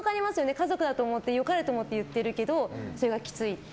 家族だと思って良かれと思って言っているけど、きつい。